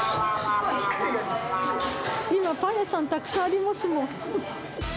今、パン屋さんたくさんありますもん。